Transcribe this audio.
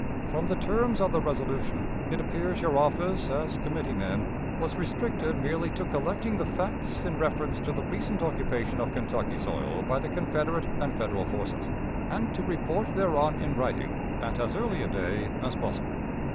"From the terms of the resolution, it appears your office, as committee men, was restricted merely to collecting the facts in reference to the recent occupation of Kentucky soil by the Confederate and Federal forces, and to report thereon in writing, at as early a day as possible.